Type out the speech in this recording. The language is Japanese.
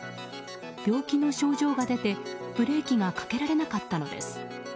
病気の症状が出て、ブレーキがかけられなかったのです。